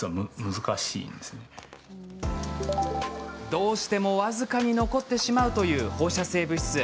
どうしても僅かに残ってしまうという放射性物質。